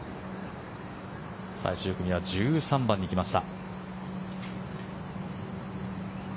最終組は１３番に来ました。